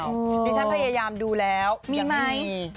ดิฉันพยายามดูแล้วยังไม่มี